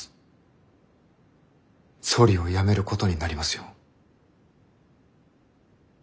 総理を辞めることになりますよ。